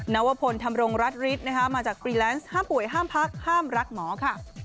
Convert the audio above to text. นวพลธรรมรงรัฐฤทธิ์นะคะมาจากฟรีแลนซ์ห้ามป่วยห้ามพักห้ามรักหมอค่ะ